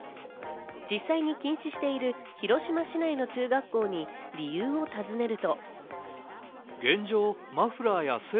実際に禁止している広島市内の中学校に理由を尋ねると。